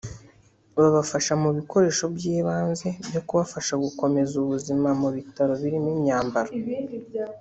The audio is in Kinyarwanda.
babafasha mu bikoresho by’ibanze byo kubafasha gukomeza ubuzima mu bitaro birimo imyambaro